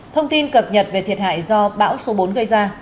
thông tin cập nhật về thiệt hại do bão số bốn gây ra